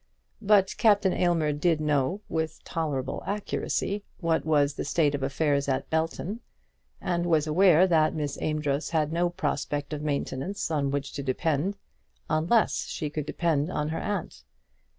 But Captain Aylmer did know, with tolerable accuracy, what was the state of affairs at Belton, and was aware that Miss Amedroz had no prospect of maintenance on which to depend, unless she could depend on her aunt.